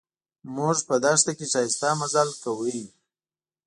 موږ په دښته کې ښایسته مزل کاوه.